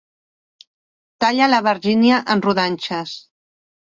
Talla l'albergínia en rodanxes.